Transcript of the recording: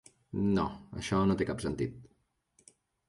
No, això no té cap sentit.